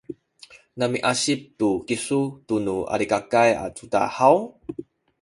namiasip tu kisu tunu Alikakay a cudad haw?